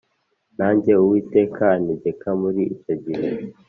Nanjye Uwiteka antegeka muri icyo gihe